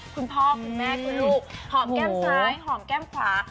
คุณพ่อคุณแม่คือลูกหอมแก้มซ้ายหอมแก้มขวา